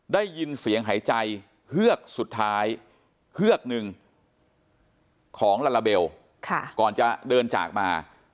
ได้ยินเสียงหายใจเฮือกสุดท้ายเฮือกหนึ่งของลาลาเบลก่อนจะเดินจากมา